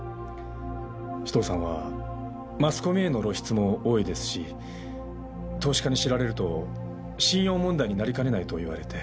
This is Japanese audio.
紫藤さんはマスコミへの露出も多いですし投資家に知られると信用問題になりかねないと言われて。